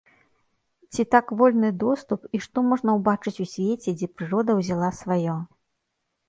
Ці так вольны доступ, і што можна ўбачыць у свеце, дзе прырода ўзяла сваё?